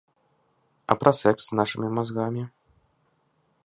А пра сэкс з нашымі мазгамі.